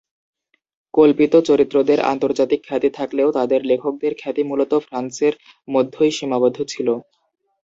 কল্পিত চরিত্রদের আন্তর্জাতিক খ্যাতি থাকলেও তাদের লেখকদের খ্যাতি মূলত ফ্রান্সের মধ্যেই সীমাবদ্ধ ছিল।